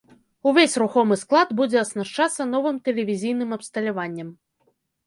Увесь рухомы склад будзе аснашчацца новым тэлевізійным абсталяваннем.